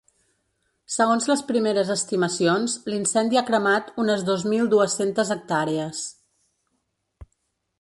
Segons les primeres estimacions, l’incendi ha cremat unes dos mil dues-centes hectàrees.